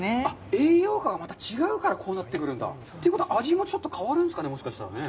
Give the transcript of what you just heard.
栄養価がまた違うから、こうなってくるんだ？ということは、味もちょっと変わるんですかね、もしかするとね。